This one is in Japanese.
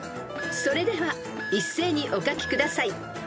［それでは一斉にお書きください］